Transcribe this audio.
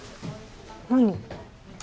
何？